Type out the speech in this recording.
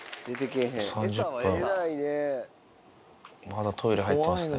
３０分まだトイレ入ってますね。